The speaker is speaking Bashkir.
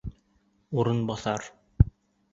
Урынбаҫар!